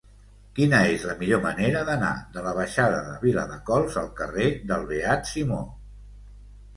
Quina és la millor manera d'anar de la baixada de Viladecols al carrer del Beat Simó?